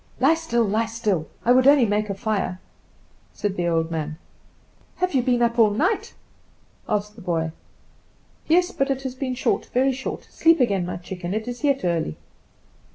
"Lie still, lie still! I would only make a fire," said the old man. "Have you been up all night?" asked the boy. "Yes; but it has been short, very short. Sleep again, my chicken; it is yet early."